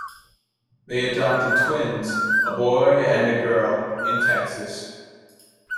They adopted twins, a boy and a girl, in Texas.